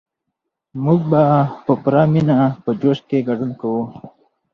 موږ به په پوره مينه په جشن کې ګډون کوو.